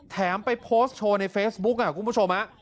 ไปโพสต์โชว์ในเฟซบุ๊คคุณผู้ชม